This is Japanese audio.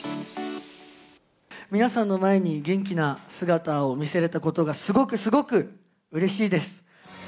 皆さんの前に元気な姿を見せれたことが、すごくすごくうれしいです。